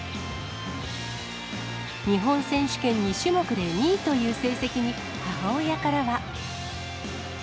日本選手権２種目で２位という成績に、母親からは。